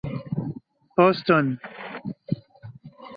Boston.